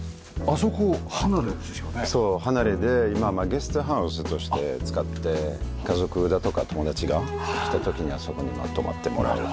そう離れで今はゲストハウスとして使って家族だとか友達が来た時にあそこに泊まってもらうっていう感じです。